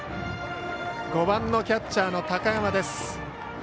５番、キャッチャーの高山。